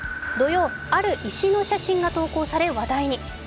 土曜、ある石の写真が投稿され話題に。